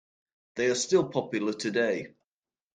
They are still popular today.